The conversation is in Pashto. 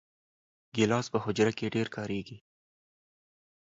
ګیلاس په حجره کې ډېر کارېږي.